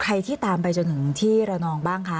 ที่ตามไปจนถึงที่ระนองบ้างคะ